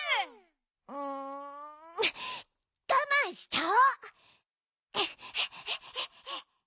うんがまんしちゃおう！